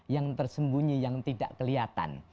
yang tersembunyi yang tidak kelihatan